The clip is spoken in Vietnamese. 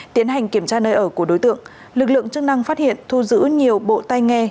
tiến hành kiểm tra nơi ở của đối tượng lực lượng chức năng phát hiện thu giữ nhiều bộ tay nghe